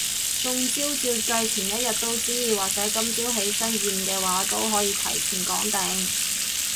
中招照計前一日都知，或者今朝起身驗嘅話都可以提早講定